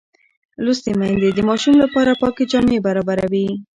لوستې میندې د ماشوم لپاره پاکې جامې برابروي.